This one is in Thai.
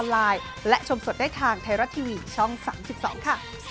มันเชิงไทรรัก